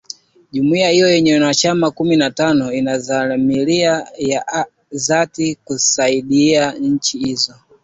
jumuia hiyo yenye wanachama kumi na tano inadhamira ya dhati kuzisaidia nchi hizo